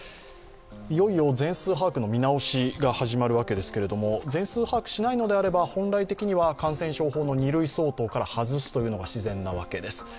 いよいよ全数把握の見直しが始まるわけですけれども全数把握しないのであれば本来的には感染症２類相当から外すというのが自然なわけです。